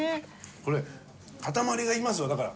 これ塊がいますよだから。